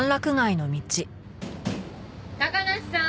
高梨さん